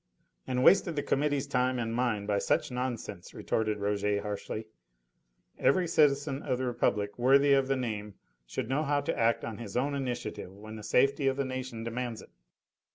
"And wasted the Committee's time and mine by such nonsense," retorted Rouget harshly. "Every citizen of the Republic worthy of the name should know how to act on his own initiative when the safety of the nation demands it."